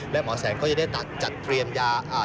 และหมอแสงก็จะได้จัดเตรียมยา